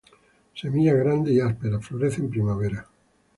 Semillas grandes y ásperas. Florece en primavera.